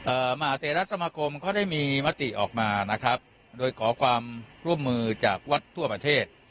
มหาเทรสมาคมเขาได้มีมติออกมานะครับโดยขอความร่วมมือจากวัดทั่วประเทศ